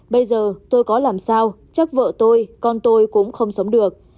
bây giờ tôi có làm sao chắc vợ tôi con tôi cũng không sống được